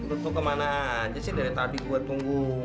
lo tuh kemana aja sih dari tadi gue tunggu